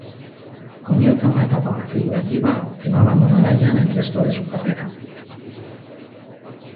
Comienza una etapa figurativa, que no abandonará ya en el resto de su carrera.